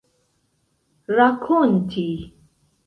rakonti